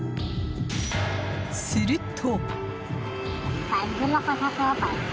すると。